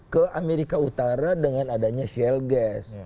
ke amerika utara dengan adanya shell gas